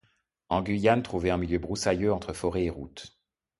En Guyane trouvé en milieu broussailleux entre forêt et route.